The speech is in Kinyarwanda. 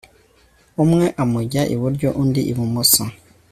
umwe amujya iburyo undi ibumoso